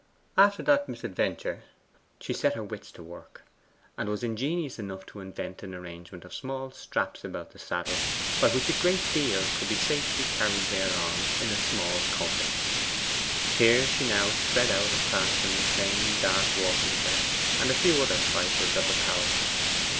After that misadventure she set her wits to work, and was ingenious enough to invent an arrangement of small straps about the saddle, by which a great deal could be safely carried thereon, in a small compass. Here she now spread out and fastened a plain dark walking dress and a few other trifles of apparel.